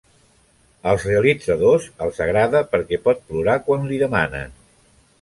Als realitzadors els agrada perquè pot plorar quan li demanen.